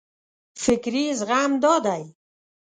فکري زغم دا دی.